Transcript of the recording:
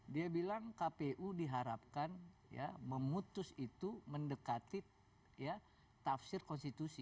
dia bilang kpu diharapkan memutus itu mendekati tafsir konstitusi